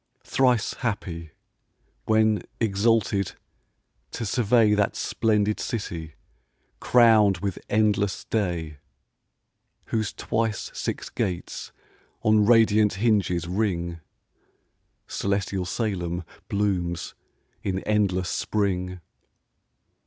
Thrice happy, when exalted to survey That splendid city, crown'd with endless day, Whose twice six gates on radiant hinges ring: Celestial Salem blooms in endless spring.